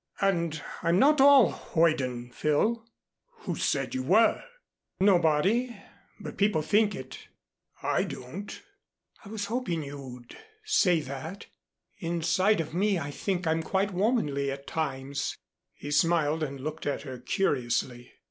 "And I'm not all hoyden, Phil." "Who said you were?" "Nobody but people think it." "I don't." "I was hoping you'd say that. Inside of me I think I'm quite womanly at times " He smiled and looked at her curiously.